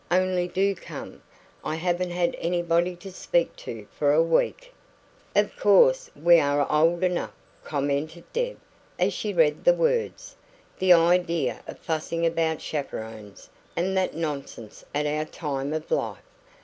Only DO come. I haven't had anybody to speak to for a week." "Of course we are old enough," commented Deb, as she read the words. "The idea of fussing about chaperons and that nonsense at our time of life!"